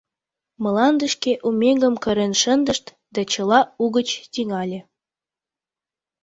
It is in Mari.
Мландышке у меҥгым кырен шындышт, да чыла угыч тӱҥале.